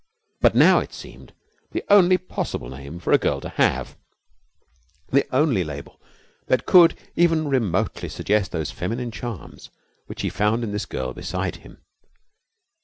But now it seemed the only possible name for a girl to have, the only label that could even remotely suggest those feminine charms which he found in this girl beside him.